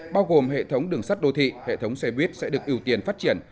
bao gồm hệ thống đường sắt đô thị hệ thống xe buýt sẽ được ưu tiên phát triển